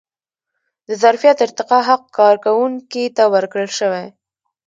د ظرفیت ارتقا حق کارکوونکي ته ورکړل شوی.